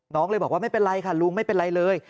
เลยบอกว่าไม่เป็นไรค่ะลุงไม่เป็นไรเลย